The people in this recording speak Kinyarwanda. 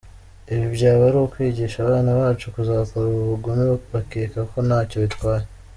Ibi byaba ari ukwigisha abana bacu kuzakora ubu bugome bakeka ko ntacyo bitwaye”.